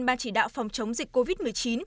ban chỉ đạo phòng chống dịch covid một mươi chín